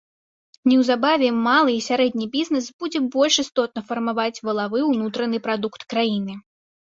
Неўзабаве малы і сярэдні бізнэс будзе больш істотна фармаваць валавы ўнутраны прадукт краіны.